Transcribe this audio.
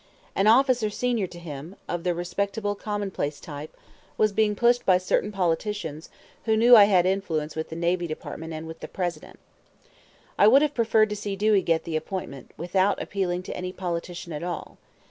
An officer senior to him, of the respectable commonplace type, was being pushed by certain politicians who I knew had influence with the Navy Department and with the President. I would have preferred to see Dewey get the appointment without appealing to any politician at all.